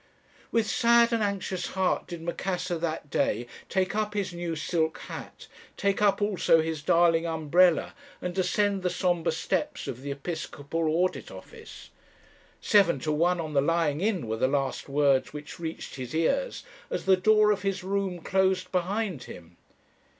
"With sad and anxious heart did Macassar that day take up his new silk hat, take up also his darling umbrella, and descend the sombre steps of the Episcopal Audit Office. 'Seven to one on the Lying in,' were the last words which reached his ears as the door of his room closed behind him.